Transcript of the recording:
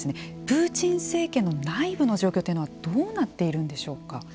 プーチン政権の内部というのはどうなっているんでしょうか。